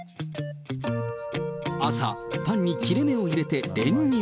朝、パンに切れ目を入れて練乳。